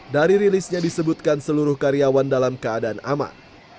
dari rilisnya disebutkan seluruh karyawan dalam keadaan aman